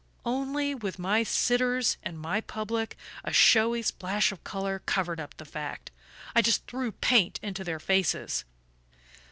Only, with my sitters and my public, a showy splash of colour covered up the fact I just threw paint into their faces....